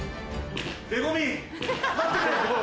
レゴミ待ってくれ！